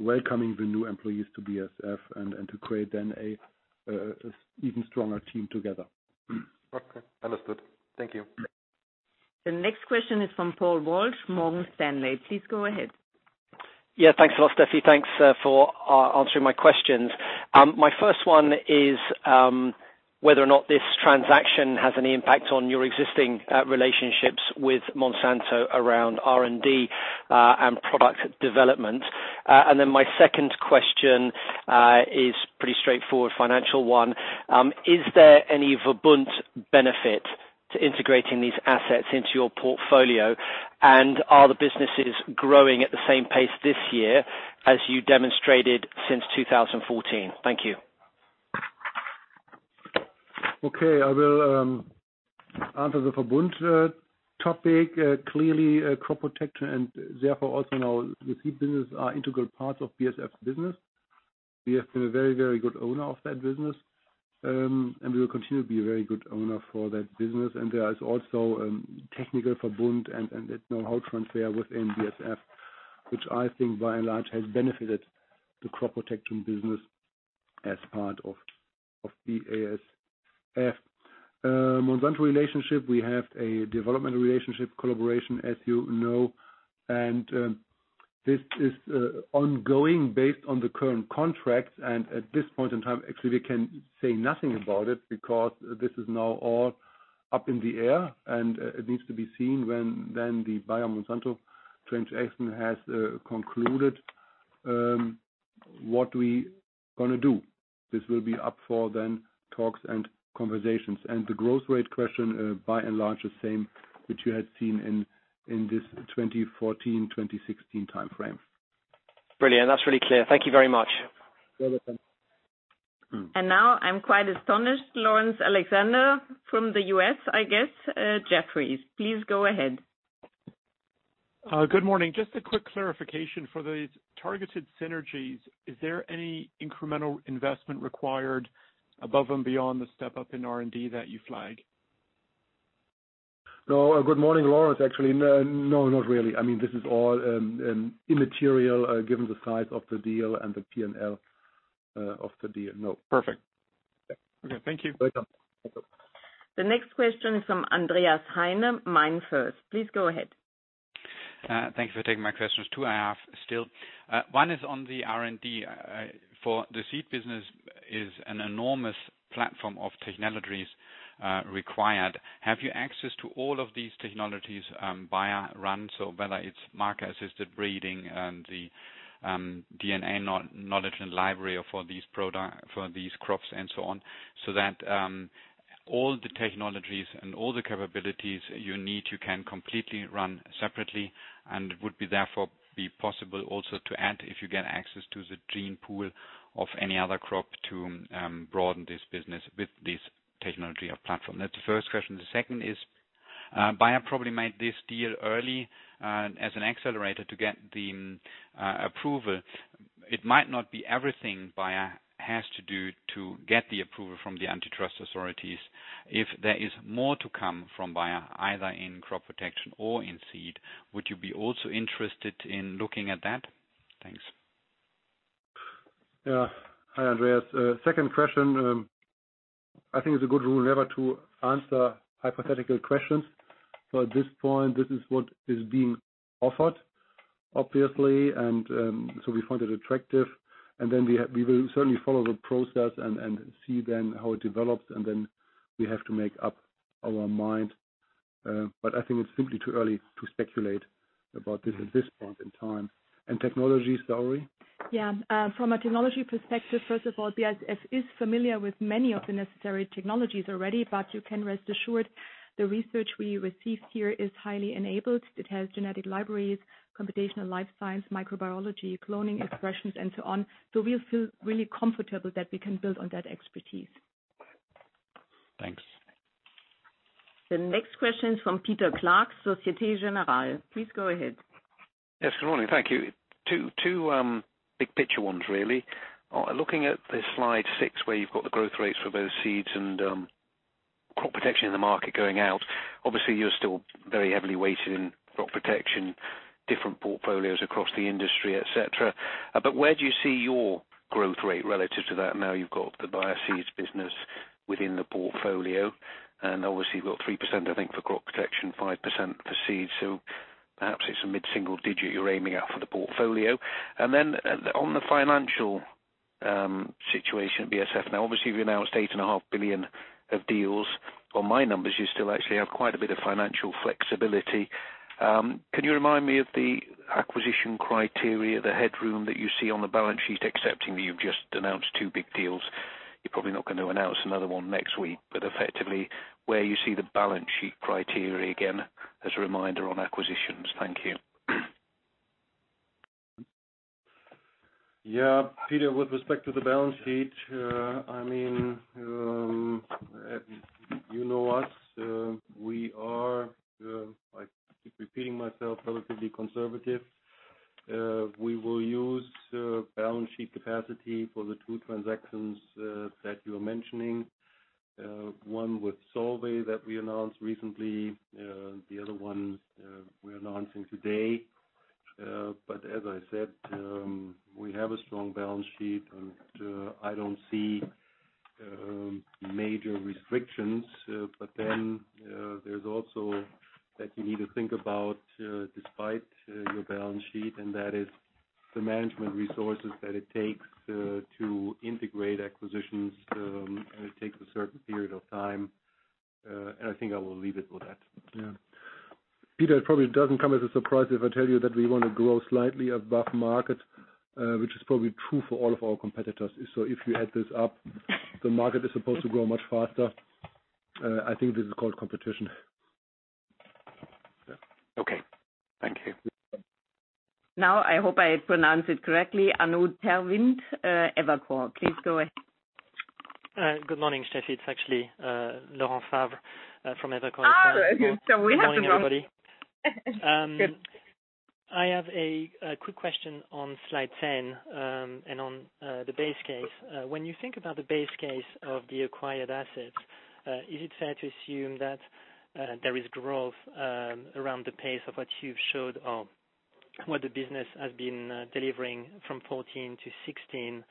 welcoming the new employees to BASF and to create then a even stronger team together. Okay. Understood. Thank you. The next question is from Paul Walsh, Morgan Stanley. Please go ahead. Yeah. Thanks a lot, Steffi. Thanks for answering my questions. My first one is whether or not this transaction has any impact on your existing relationships with Monsanto around R&D and product development. My second question is pretty straightforward financial one. Is there any Verbund benefit to integrating these assets into your portfolio? Are the businesses growing at the same pace this year as you demonstrated since 2014? Thank you. Okay. I will answer the Verbund topic. Clearly, crop protection and therefore also now the seed business are integral parts of BASF business. We have been a very, very good owner of that business, and we will continue to be a very good owner for that business. There is also technical Verbund and that know-how transfer within BASF, which I think by and large has benefited the crop protection business as part of BASF. Monsanto relationship, we have a development relationship collaboration, as you know, and this is ongoing based on the current contracts. At this point in time, actually, we can say nothing about it because this is now all up in the air, and it needs to be seen when then the Bayer Monsanto transaction has concluded, what we gonna do. This will be up for then talks and conversations. The growth rate question, by and large, the same which you had seen in this 2014, 2016 timeframe. Brilliant. That's really clear. Thank you very much. You're welcome. Now I'm quite astonished, Laurence Alexander from the U.S., I guess, Jefferies. Please go ahead. Good morning. Just a quick clarification for these targeted synergies, is there any incremental investment required above and beyond the step-up in R&D that you flagged? No. Good morning, Laurence. Actually, no, not really. I mean, this is all immaterial, given the size of the deal and the P&L of the deal. No. Perfect. Yeah. Okay. Thank you. Welcome. The next question from Andreas Heine, MainFirst. Please go ahead. Thanks for taking my questions, two I have still. One is on the R&D. For the seed business is an enormous platform of technologies required. Have you access to all of these technologies via R&D, so whether it's marker-assisted breeding and the DNA knowledge and library for these crops and so on, so that all the technologies and all the capabilities you need, you can completely run separately and would therefore be possible also to add if you get access to the gene pool of any other crop to broaden this business with this technology platform? That's the first question. The second is, Bayer probably made this deal early as an accelerator to get the approval. It might not be everything Bayer has to do to get the approval from the antitrust authorities. If there is more to come from Bayer, either in crop protection or in seed, would you be also interested in looking at that? Thanks. Yeah. Hi, Andreas. Second question, I think it's a good rule never to answer hypothetical questions. At this point, this is what is being offered, obviously, and we find it attractive. We will certainly follow the process and see then how it develops, and then we have to make up our mind. I think it's simply too early to speculate about this at this point in time. And technology, Saori. Yeah. From a technology perspective, first of all, BASF is familiar with many of the necessary technologies already, but you can rest assured the research we received here is highly enabled. It has genetic libraries, computational life science, microbiology, cloning expressions, and so on. We feel really comfortable that we can build on that expertise. Thanks. The next question is from Peter Clark, Société Générale. Please go ahead. Yes, good morning. Thank you. Two big picture ones, really. Looking at the slide six, where you've got the growth rates for both seeds and crop protection in the market going out, obviously, you're still very heavily weighted in crop protection, different portfolios across the industry, et cetera. But where do you see your growth rate relative to that now you've got the Bayer seeds business within the portfolio? Obviously, you've got 3%, I think, for crop protection, 5% for seed. Perhaps it's a mid-single digit you're aiming at for the portfolio. On the financial situation, BASF, now obviously you've announced 8.5 billion of deals. On my numbers, you still actually have quite a bit of financial flexibility. Can you remind me of the acquisition criteria, the headroom that you see on the balance sheet, accepting that you've just announced two big deals? You're probably not gonna announce another one next week, but effectively where you see the balance sheet criteria again as a reminder on acquisitions. Thank you. Peter, with respect to the balance sheet, I mean, you know us, we are, I keep repeating myself, relatively conservative. We will use balance sheet capacity for the two transactions that you are mentioning, one with Solvay that we announced recently, the other one, we're announcing today. But as I said, we have a strong balance sheet, and I don't see Major restrictions. There's also that you need to think about, despite your balance sheet, and that is the management resources that it takes to integrate acquisitions. It takes a certain period of time, and I think I will leave it with that. Yeah. Peter, it probably doesn't come as a surprise if I tell you that we wanna grow slightly above market, which is probably true for all of our competitors. If you add this up, the market is supposed to grow much faster. I think this is called competition. Okay, thank you. Now, I hope I pronounce it correctly. [Laurent Favre], Evercore. Please go ahead. Good morning, Steffi. It's actually, Laurent Favre, from Evercore. Oh. We have it wrong. Good morning, everybody. Good. I have a quick question on slide 10 and on the base case. When you think about the base case of the acquired assets, is it fair to assume that there is growth around the pace of what you've showed or what the business has been delivering from 14 to 16?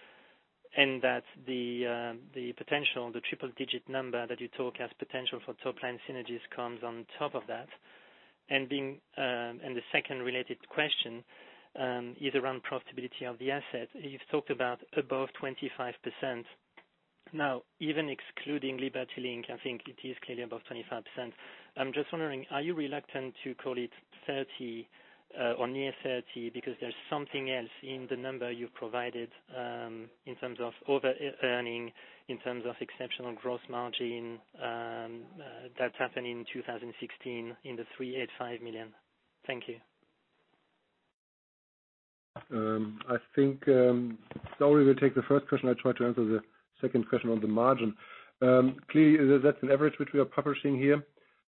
That the potential, the triple-digit number that you talk as potential for top-line synergies comes on top of that. The second related question is around profitability of the asset. You've talked about above 25%. Now, even excluding LibertyLink, I think it is clearly above 25%. I'm just wondering, are you reluctant to call it 30 or near 30 because there's something else in the number you've provided, in terms of over-earning, in terms of exceptional gross margin, that happened in 2016 in the 385 million? Thank you. I think, Saori, we'll take the first question. I'll try to answer the second question on the margin. Clearly, that's an average which we are publishing here.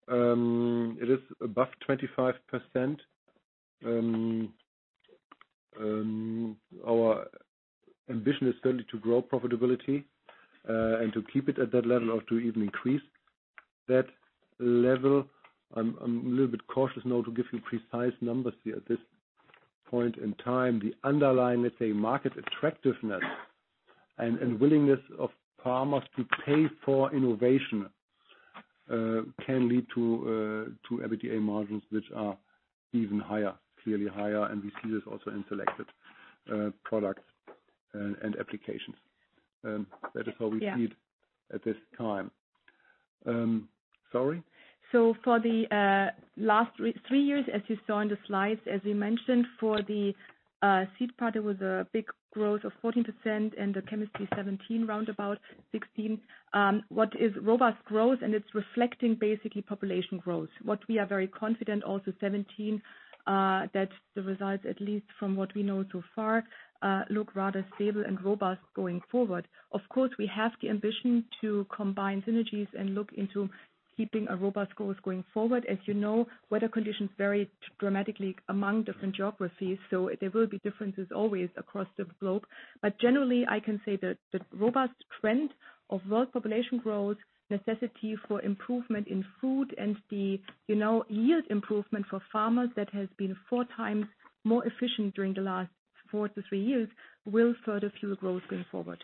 It is above 25%. Our ambition is certainly to grow profitability, and to keep it at that level or to even increase that level. I'm a little bit cautious now to give you precise numbers here at this point in time. The underlying, let's say, market attractiveness and willingness of farmers to pay for innovation can lead to EBITDA margins which are even higher, clearly higher. We see this also in selected products and applications. That is how we see it. Yeah. At this time. Saori? For the last three years, as you saw in the slides, as we mentioned, for the seed part, it was a big growth of 14% and the chemistry 17%, roundabout 16%. This is robust growth, and it's reflecting basically population growth. We are very confident also 17%, that the results, at least from what we know so far, look rather stable and robust going forward. Of course, we have the ambition to combine synergies and look into keeping a robust growth going forward. As you know, weather conditions vary dramatically among different geographies, so there will be differences always across the globe. Generally, I can say that the robust trend of world population growth, necessity for improvement in food and the, you know, yield improvement for farmers that has been four times more efficient during the last four to three years will further fuel growth going forward.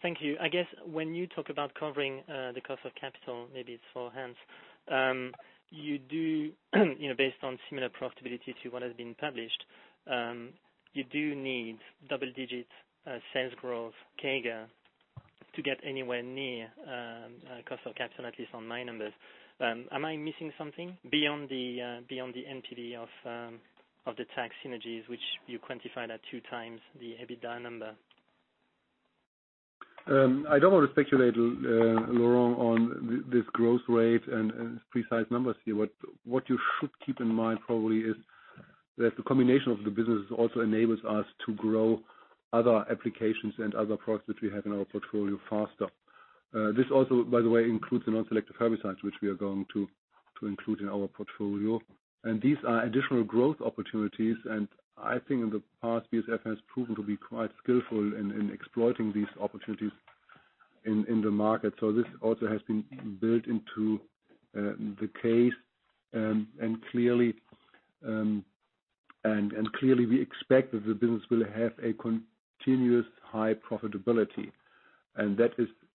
Thank you. I guess when you talk about covering the cost of capital, maybe it's for Hans. You do, you know, based on similar profitability to what has been published, you do need double digits sales growth, CAGR, to get anywhere near cost of capital, at least on my numbers. Am I missing something beyond the NPV of the tax synergies which you quantified at two times the EBITDA number? I don't want to speculate, Laurent, on this growth rate and precise numbers here. What you should keep in mind probably is that the combination of the businesses also enables us to grow other applications and other products which we have in our portfolio faster. This also, by the way, includes the non-selective herbicides which we are going to include in our portfolio. These are additional growth opportunities, and I think in the past, BASF has proven to be quite skillful in exploiting these opportunities in the market. This also has been built into the case. Clearly, we expect that the business will have a continuous high profitability, and that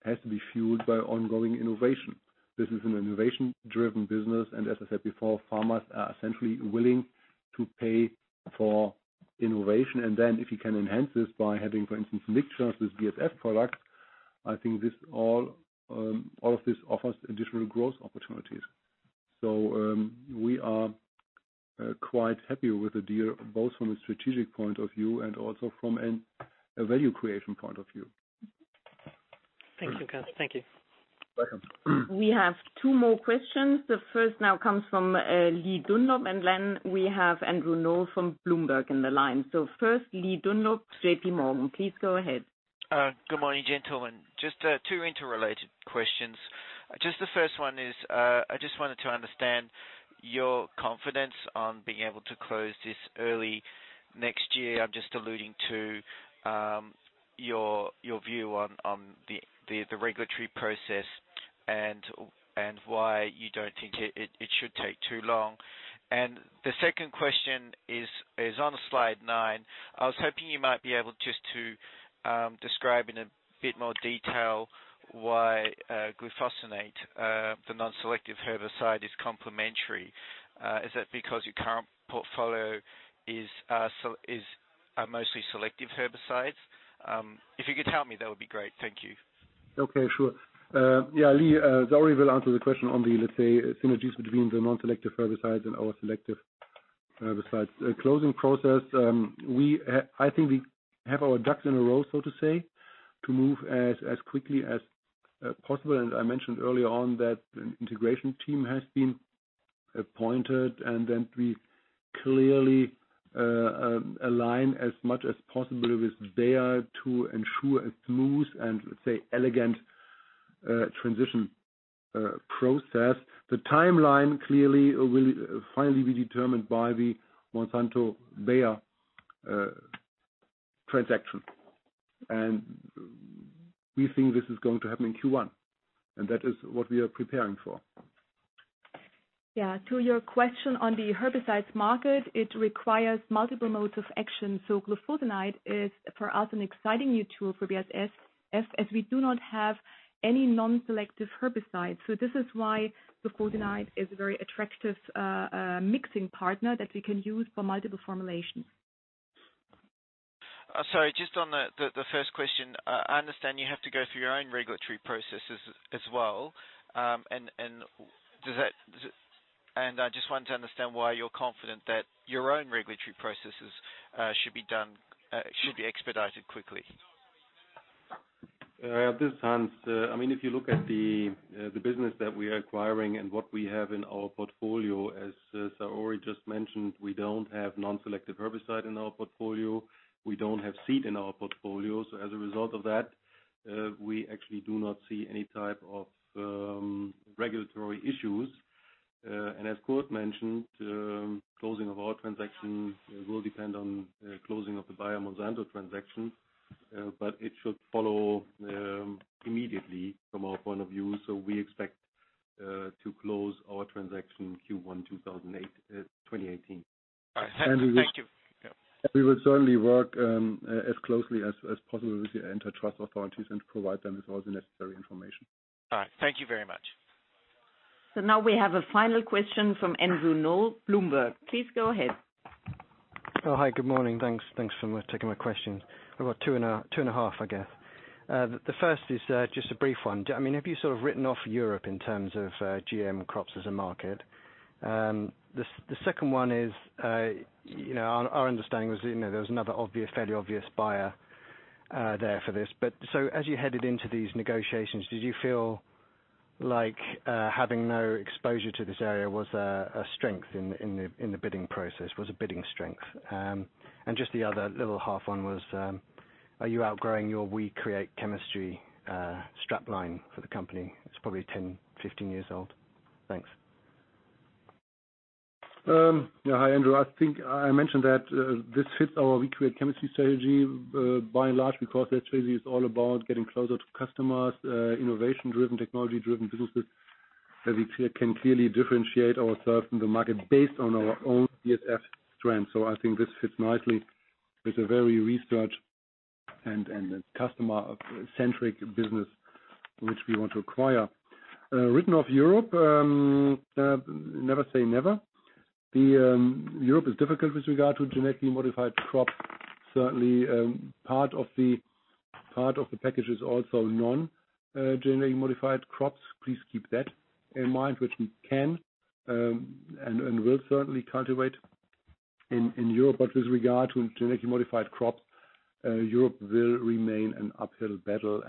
has to be fueled by ongoing innovation. This is an innovation-driven business, and as I said before, farmers are essentially willing to pay for innovation. If you can enhance this by having, for instance, mixtures with BASF products, I think all of this offers additional growth opportunities. We are quite happy with the deal, both from a strategic point of view and also from a value creation point of view. Thank you, Kurt. Thank you. Welcome. We have two more questions. The first now comes from Li Dunlop, and then we have Andrew Noel from Bloomberg in the line. First, Li Dunlop, JP Morgan, please go ahead. Good morning, gentlemen. Just two interrelated questions. Just the first one is, I just wanted to understand your confidence on being able to close this early next year. I'm just alluding to your view on the regulatory process, and why you don't think it should take too long? The second question is on slide nine. I was hoping you might be able just to describe in a bit more detail why glufosinate, the non-selective herbicide is complementary. Is that because your current portfolio is mostly selective herbicides? If you could tell me, that would be great. Thank you. Okay. Sure. Yeah, Li, Saori will answer the question on the, let's say, synergies between the non-selective herbicides and our selective herbicides. Closing process, I think we have our ducks in a row, so to say, to move as quickly as possible. I mentioned earlier on that an integration team has been appointed, and then we clearly align as much as possible with Bayer to ensure a smooth and, let's say, elegant transition process. The timeline clearly will finally be determined by the Monsanto Bayer transaction. We think this is going to happen in Q1, and that is what we are preparing for. Yeah. To your question on the herbicides market, it requires multiple modes of action. Glufosinate is, for us, an exciting new tool for BASF, as we do not have any non-selective herbicides. This is why glufosinate is a very attractive mixing partner that we can use for multiple formulations. Sorry, just on the first question. I understand you have to go through your own regulatory processes as well. I just wanted to understand why you're confident that your own regulatory processes should be expedited quickly. This is Hans. I mean, if you look at the business that we are acquiring and what we have in our portfolio, as Saori just mentioned, we don't have non-selective herbicide in our portfolio. We don't have seed in our portfolio. As a result of that, we actually do not see any type of regulatory issues. As Kurt mentioned, closing of our transaction will depend on closing of the Bayer Monsanto transaction. It should follow immediately from our point of view. We expect to close our transaction Q1 2018. All right. We will. Thank you. We will certainly work as closely as possible with the antitrust authorities and provide them with all the necessary information. All right. Thank you very much. Now we have a final question from Andrew Noel, Bloomberg. Please go ahead. Oh, hi. Good morning. Thanks. Thanks for taking my questions. I've got two and a half, I guess. The first is just a brief one. I mean, have you sort of written off Europe in terms of GM crops as a market? The second one is, you know, our understanding was, you know, there was another obvious, fairly obvious buyer there for this. As you headed into these negotiations, did you feel like having no exposure to this area was a strength in the bidding process? Was a bidding strength? And just the other little half one was, are you outgrowing your We create chemistry strapline for the company? It's probably 10, 15 years old. Thanks. Hi, Andrew. I think I mentioned that this fits our We Create Chemistry strategy by and large, because that strategy is all about getting closer to customers, innovation-driven, technology-driven businesses that we can clearly differentiate ourselves in the market based on our own BASF strength. I think this fits nicely. It's a very research and customer-centric business which we want to acquire. Writing off Europe, never say never. Europe is difficult with regard to genetically modified crops. Certainly, part of the package is also non-genetically modified crops, please keep that in mind, which we can and will certainly cultivate in Europe. But with regard to genetically modified crops, Europe will remain an uphill battle.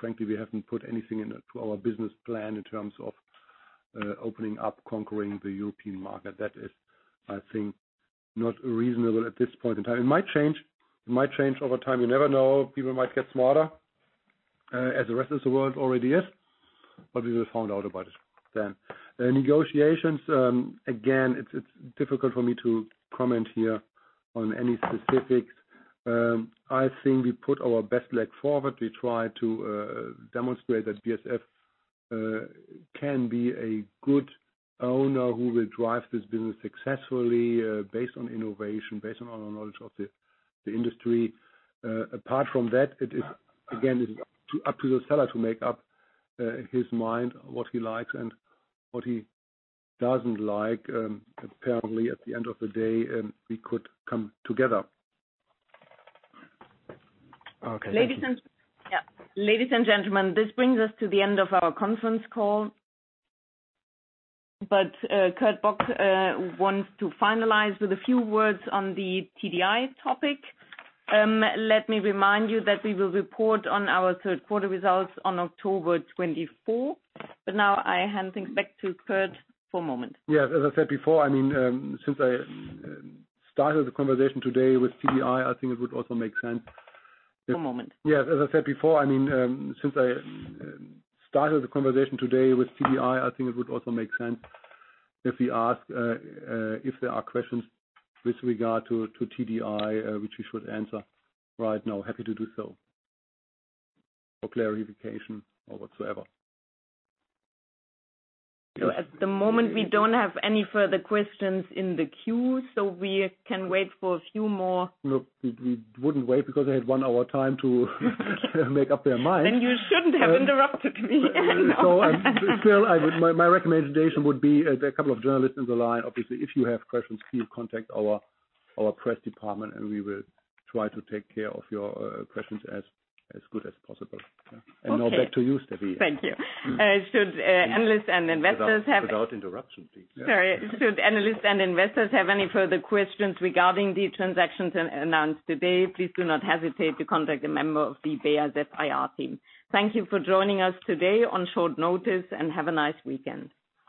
Frankly, we haven't put anything in. to our business plan in terms of opening up, conquering the European market. That is, I think, not reasonable at this point in time. It might change. It might change over time. You never know. People might get smarter, as the rest of the world already is. We will find out about it then. Negotiations, again, it's difficult for me to comment here on any specifics. I think we put our best foot forward. We try to demonstrate that BASF can be a good owner who will drive this business successfully, based on innovation, based on our knowledge of the industry. Apart from that, it is, again, it's up to the seller to make up his mind, what he likes and what he doesn't like. Apparently, at the end of the day, we could come together. Okay. Thank you. Ladies and gentlemen, this brings us to the end of our conference call. Kurt Bock wants to finalize with a few words on the TDI topic. Let me remind you that we will report on our third quarter results on October 24th. Now I hand things back to Kurt for a moment. Yeah. As I said before, I mean, since I started the conversation today with TDI, I think it would also make sense if- For a moment. Yeah. As I said before, I mean, since I started the conversation today with TDI, I think it would also make sense if we ask if there are questions with regard to TDI which we should answer right now. Happy to do so. For clarification or whatsoever. At the moment, we don't have any further questions in the queue, so we can wait for a few more. Look, we wouldn't wait because they had one hour time to make up their minds. You shouldn't have interrupted me. My recommendation would be, there are a couple of journalists in the line, obviously, if you have questions, please contact our press department, and we will try to take care of your questions as good as possible. Yeah. Okay. Now back to you, Steffi. Thank you. Should analysts and investors have Without interruption, please. Sorry. Should analysts and investors have any further questions regarding the transactions announced today, please do not hesitate to contact a member of the BASF IR team. Thank you for joining us today on short notice and have a nice weekend.